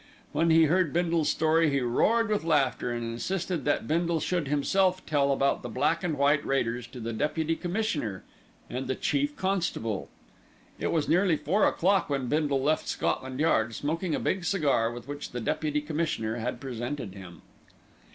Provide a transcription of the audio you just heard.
When he heard Bindle's story, he roared with laughter, and insisted that Bindle should himself tell about the Black and White Raiders to the Deputy Commissioner and the Chief Constable. It was nearly four o'clock when Bindle left Scotland Yard, smoking a big cigar with which the Deputy Commissioner had presented him.